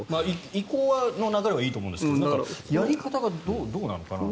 移行の流れはいいと思うんですがやり方がどうなのかなと。